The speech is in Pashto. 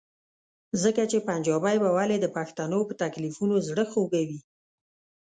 ځکه چې پنجابی به ولې د پښتنو په تکلیفونو زړه خوږوي؟